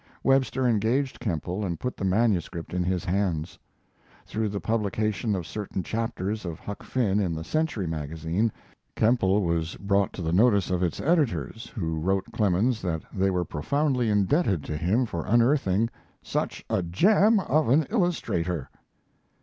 Webster engaged Kemble and put the manuscript in his hands. Through the publication of certain chapters of Huck Finn in the Century Magazine, Kemble was brought to the notice of its editors, who wrote Clemens that they were profoundly indebted to him for unearthing "such a gem of an illustrator."